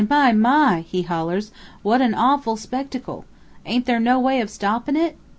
my! my!' he hollers; 'what a awful spectacle! Aint there no way of stoppin' it?'